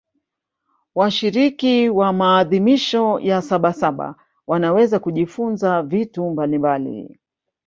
washiriki wa maadhimisho ya sabasaba wanaweza kujifunza vitu mbalimbali